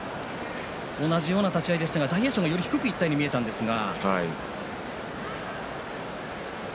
同じような立ち合いでしたが大栄翔はより低くいったように見えましたね。